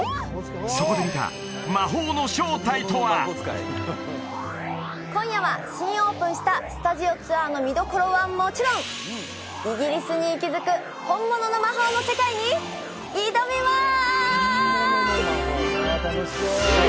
そこで見た今夜は新オープンしたスタジオツアーの見どころはもちろんイギリスに息づく本物の魔法の世界に挑みます！